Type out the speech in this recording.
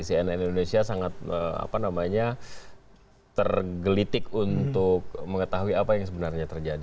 cnn indonesia sangat tergelitik untuk mengetahui apa yang sebenarnya terjadi